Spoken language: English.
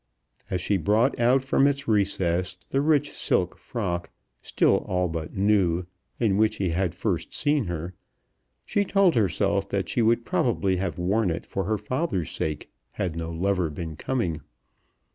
As she brought out from its recess the rich silk frock, still all but new, in which he had first seen her, she told herself that she would probably have worn it for her father's sake, had no lover been coming.